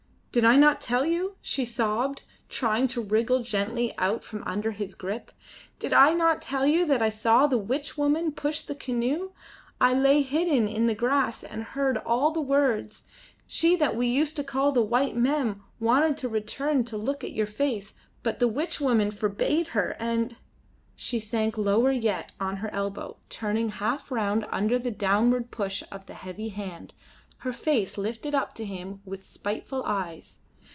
"Did I not tell you?" she sobbed, trying to wriggle gently out from under his grip. "Did I not tell you that I saw the witchwoman push the canoe? I lay hidden in the grass and heard all the words. She that we used to call the white Mem wanted to return to look at your face, but the witchwoman forbade her, and " She sank lower yet on her elbow, turning half round under the downward push of the heavy hand, her face lifted up to him with spiteful eyes.